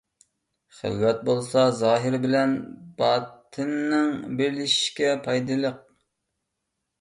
خىلۋەت بولسا زاھىر بىلەن باتىننىڭ بىرلىشىشىگە پايدىلىق.